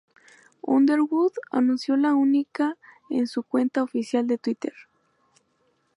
Underwood anunció la única en su cuenta oficial de Twitter.